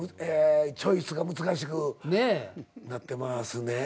チョイスが難しくなってますね。